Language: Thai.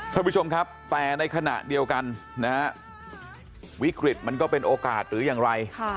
ท่านผู้ชมครับแต่ในขณะเดียวกันนะฮะวิกฤตมันก็เป็นโอกาสหรืออย่างไร